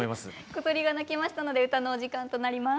小鳥が鳴きましたので歌のお時間となります。